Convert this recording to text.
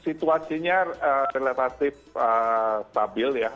situasinya relatif stabil ya